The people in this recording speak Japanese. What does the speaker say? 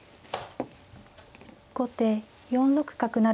後手４六角成。